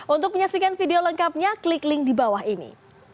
untuk menyaksikan video lengkapnya klik link di bawah ini